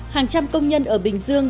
hàng trăm công nhân ở bình dương